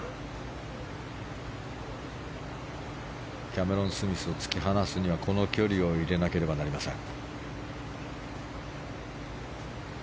キャメロン・スミスを突き放すにはこの距離を入れなければなりません。